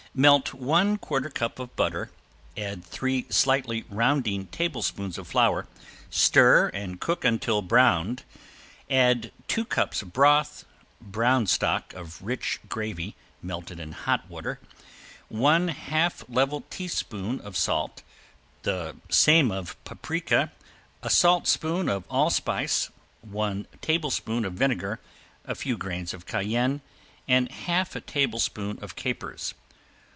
Melt one quarter cup of butter, add three slightly rounding tablespoons of flour, stir and cook until browned, add two cups of broth, brown stock of rich gravy melted in hot water, one half level teaspoon of salt, the same of paprika, a saltspoon of allspice, one tablespoon of vinegar, a few grains of cayenne, and half a tablespoon of capers.